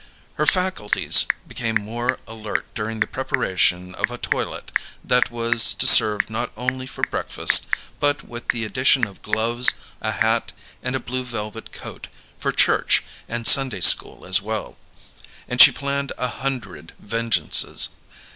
Her faculties became more alert during the preparation of a toilet that was to serve not only for breakfast, but with the addition of gloves, a hat, and a blue velvet coat, for Church and Sunday school as well; and she planned a hundred vengeances.